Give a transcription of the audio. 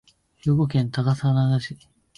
兵庫県高砂市